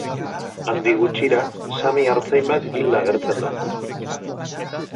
Handik gutxira, sami artzain bat hilda agertzen da.